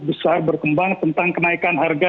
besar berkembang tentang kenaikan harga